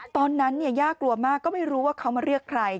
ตอนนั้นย่ากลัวมากก็ไม่รู้ว่าเขามาเรียกใคร